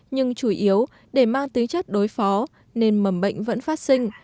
nhưng chủ yếu để mang tính chất đối phó nên mầm bệnh vẫn phát sinh